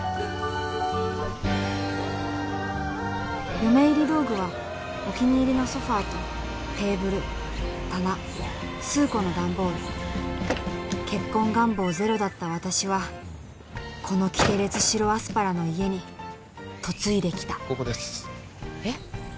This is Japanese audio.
嫁入り道具はお気に入りのソファーとテーブル棚数個のダンボール結婚願望ゼロだった私はこのキテレツ白アスパラの家に嫁いできたここですえっ！？